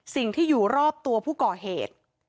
สิ่งที่อยู่รอบตัวผู้ก่อเหตุ